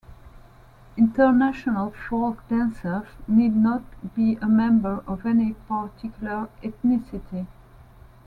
International folk dancers need not be a member of any particular ethnicity.